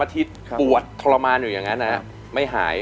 ๒๓อาทิตย์ปวดทรมานอยู่อย่างนั้นนะครับไม่หาย